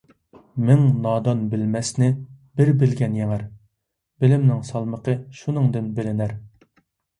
مىڭ نادان - بىلمەسنى بىر بىلگەن يېڭەر، بىلىمنىڭ سالمىقى شۇندىن بىلىنەر.